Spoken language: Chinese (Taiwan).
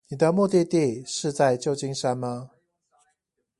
你的目的地是在舊金山嗎